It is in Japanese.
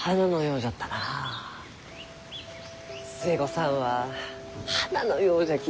寿恵子さんは花のようじゃき。